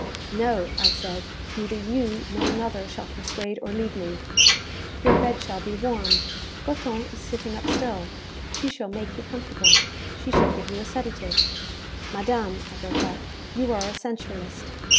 'No!' I said. 'Neither you nor another shall persuade or lead me.' 'Your bed shall be warmed. Goton is sitting up still. She shall make you comfortable. She shall give you a sedative.' 'Madame,' I broke out, 'you are a sensualist.